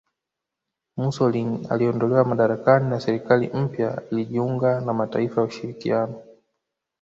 Mussolini aliondolewa madarakani na serikali mpya ilijiunga na mataifa ya ushirikiano